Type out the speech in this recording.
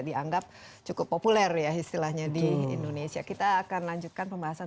dianggap cukup populer ya istilahnya di indonesia kita akan lanjutkan pembahasan